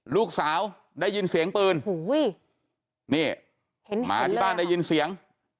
ลูกสาวได้ยินเสียงปืนมาที่บ้านได้ยินเสียง